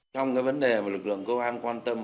trong cái vấn đề mà lực lượng cơ quan quan tâm